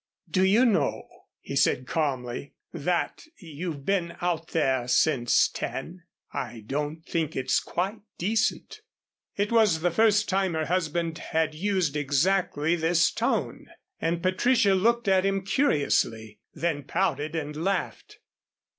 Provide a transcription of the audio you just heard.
"Do you know," he said, calmly, "that you've been out there since ten? I don't think it's quite decent." It was the first time her husband had used exactly this tone, and Patricia looked at him curiously, then pouted and laughed.